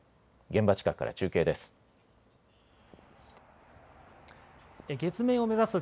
現場近くから中継です。